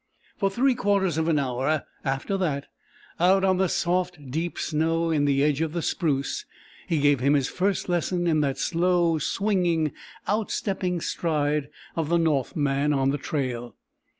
For three quarters of an hour after that, out in the soft, deep snow in the edge of the spruce, he gave him his first lesson in that slow, swinging, out stepping stride of the north man on the trail.